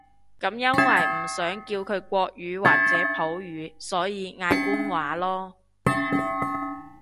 噉因為唔想叫佢國語或者普語，所以嗌官話囉